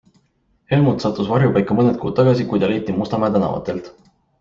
Helmut sattus varjupaika mõned kuud tagasi, kui ta leiti Mustamäe tänavatelt.